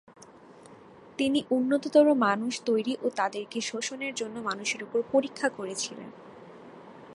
তিনি উন্নততর মানুষ তৈরি ও তাদেরকে শোষণের জন্য মানুষের উপর পরীক্ষা করেছিলেন।